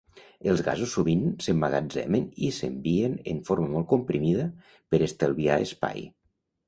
Els gasos sovint s'emmagatzemen i s'envien en forma molt comprimida, per estalviar espai.